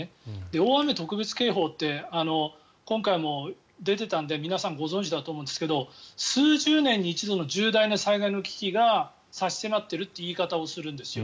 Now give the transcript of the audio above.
大雨特別警報って今回も出ていたので皆さんご存じだと思うんですけど数十年に一度の重大な災害の危機が差し迫っているという言い方をするんですよ。